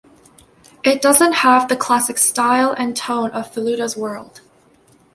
It doesn't have the classic style and tone of Feluda's world.